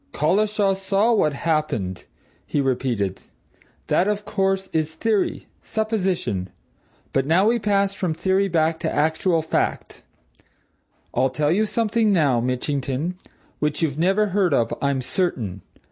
"Collishaw saw what happened?" he repeated. "That, of course, is theory supposition. But now we pass from theory back to actual fact. I'll tell you something now, Mitchington, which you've never heard of, I'm certain.